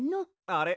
あれ？